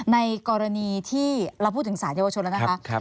ในกรณีที่เราพูดถึงสารเยาวชนแล้วนะคะ